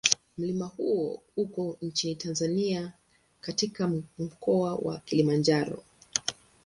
Mlima huo uko nchini Tanzania katika Mkoa wa Kilimanjaro.